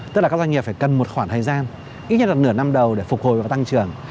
tức là các doanh nghiệp phải cần một khoảng thời gian ít nhất là nửa năm đầu để phục hồi và tăng trưởng